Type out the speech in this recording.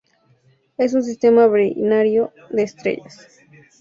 Es un sistema binario de estrellas.